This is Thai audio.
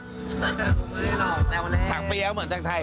หรือหรือเราแนวแรกถังเปรียวเหมือนแต่งไทย